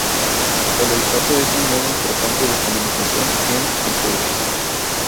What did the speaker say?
El olfato es un modo importante de comunicación en Ateles.